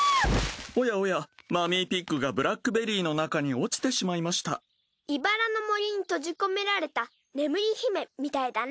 おやおやマミーピッグがブラックベリーの中に落ちてしまいましたイバラの森に閉じ込められた眠り姫みたいだね。